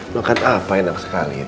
makan apa enak sekali